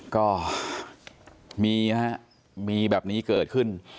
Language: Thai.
ก็มีฮะมีแบบนี้เกิดขึ้น